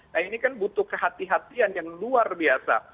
nah ini kan butuh kehati hatian yang luar biasa